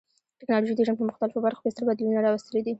ټکنالوژي د ژوند په مختلفو برخو کې ستر بدلونونه راوستلي دي.